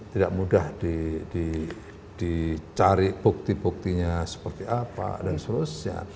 tidak mudah dicari bukti buktinya seperti apa dan seterusnya